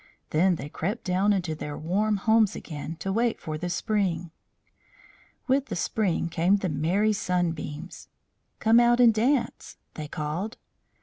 Then they crept down into their warm homes again to wait for the spring. With the spring came the merry Sunbeams. "Come out and dance," they called.